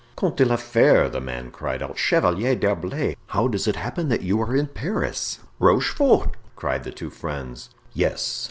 "Comte de la Fere!" the man cried out; "Chevalier d'Herblay! How does it happen that you are in Paris?" "Rochefort!" cried the two friends. "Yes!